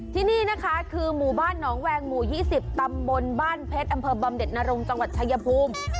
ที่นี่นะคะคือหมู่บ้านหนองแวงหมู่๒๐ตำบลบ้านเพชรอำเภอบำเด็ดนรงจังหวัดชายภูมิ